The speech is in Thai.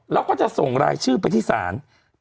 แล้วจะส่งรายชื่อไปที่ธรรมช์